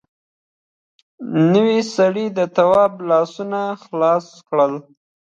نوي سړي د تواب لاسونه خلاص کړل.